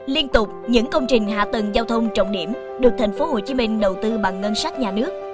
liên tục những công trình hạ tầng giao thông trọng điểm được tp hcm đầu tư bằng ngân sách nhà nước